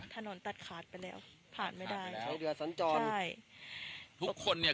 ถนนตัดขาดไปแล้วผ่านไม่ได้ผ่านไปแล้วเดือนสันจรใช่ทุกคนเนี้ย